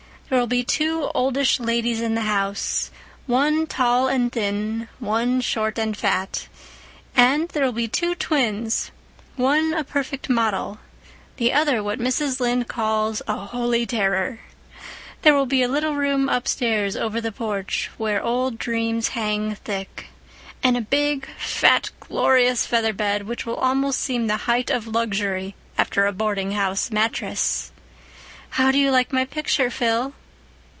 There will be two oldish ladies in the house, one tall and thin, one short and fat; and there will be two twins, one a perfect model, the other what Mrs. Lynde calls a 'holy terror.' There will be a little room upstairs over the porch, where old dreams hang thick, and a big, fat, glorious feather bed which will almost seem the height of luxury after a boardinghouse mattress. How do you like my picture, Phil?"